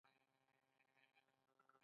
هغوی په عباسي پاڅون کې ښه ونډه واخیسته.